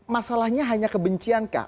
masalahnya hanya kebenciankah